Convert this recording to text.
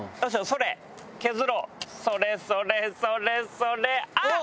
それそれそれそれあっ！